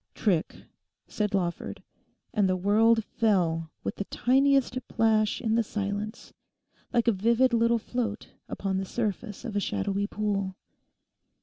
'Trick?' said Lawford; and the world fell with the tiniest plash in the silence, like a vivid little float upon the surface of a shadowy pool.